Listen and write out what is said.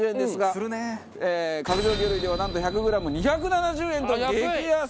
角上魚類ではなんと１００グラム２７０円という激安！